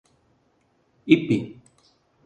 Ipê